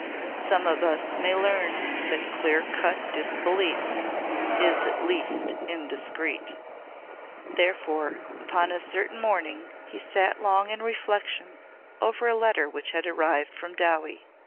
"Some of us may learn that clear cut disbelief is at least indiscreet." Therefore upon a certain morning he sat long in reflection over a letter which had arrived from Dowie.